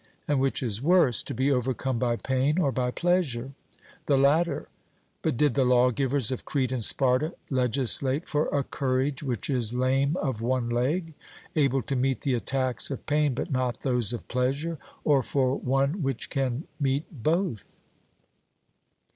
And which is worse, to be overcome by pain, or by pleasure? 'The latter.' But did the lawgivers of Crete and Sparta legislate for a courage which is lame of one leg, able to meet the attacks of pain but not those of pleasure, or for one which can meet both?